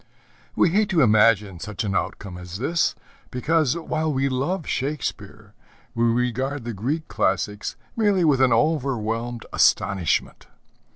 We hate to imagine such an outcome as this, because, while we love Shakespeare, we regard the Greek classics merely with an overwhelmed astonishment.